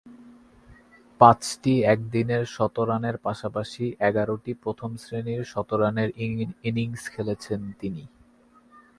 পাঁচটি একদিনের শতরানের পাশাপাশি এগারোটি প্রথম-শ্রেণীর শতরানের ইনিংস খেলেছেন তিনি।